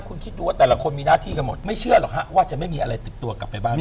คุณคิดดูว่าแต่ละคนมีหน้าที่กันหมดไม่เชื่อหรอกฮะว่าจะไม่มีอะไรติดตัวกลับไปบ้าง